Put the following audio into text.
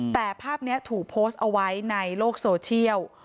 แต่ภาพนี้ถูกโพสต์เอาไว้ในโลกโซเชียล